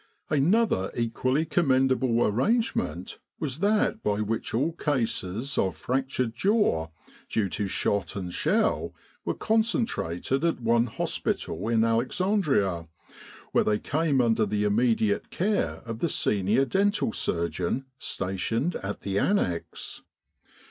Another equally commendable arrangement was that by which all cases of fractured jaw, due to shot and shell, were concentrated at one hospital in Alex andria, where they came under the immediate care of the senior dental surgeon stationed at the Annexe.